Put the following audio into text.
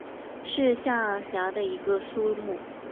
是下辖的一个苏木。